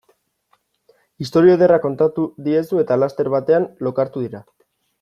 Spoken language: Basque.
Istorio ederra kontatu diezu eta laster batean lokartu dira.